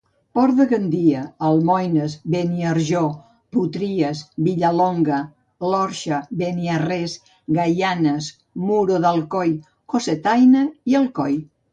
Port de Gandia, Almoines, Beniarjó, Potries, Vilallonga, l'Orxa, Beniarrés, Gaianes, Muro d'Alcoi, Cocentaina i Alcoi.